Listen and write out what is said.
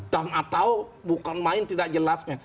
dan atau bukan main tidak jelasnya